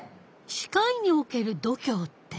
歯科医における度胸って？